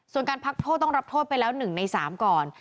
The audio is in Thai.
ส่วนการพักโทษต้องรับโทษไปแล้ว๑ใน๓ก่อน